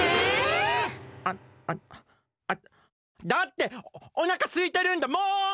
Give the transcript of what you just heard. あああだっておなかすいてるんだもん！